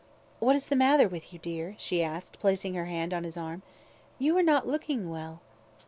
"What is the matter with you, dear?" she asked, placing her hand on his arm. "You are not looking well."